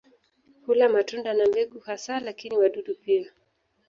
Hula matunda na mbegu hasa lakini wadudu pia.